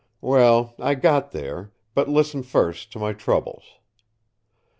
Well, I got there, but listen first to my troubles.